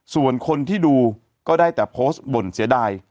ส่วนคนที่ดูก็ได้แต่โพสต์บ่นเสียดาย